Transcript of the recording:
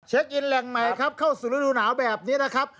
กินแหล่งใหม่ครับเข้าสู่ฤดูหนาวแบบนี้นะครับ